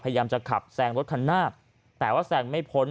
พยายามจะขับแซงรถคันหน้าแต่ว่าแซงไม่พ้น